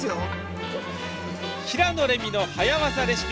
「平野レミの早わざレシピ」。